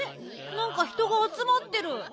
なんか人があつまってる。